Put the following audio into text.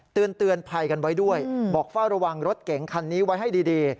เตือนภัยกันไว้ด้วยบอกเฝ้าระวังรถเก๋งคันนี้ไว้ให้ดี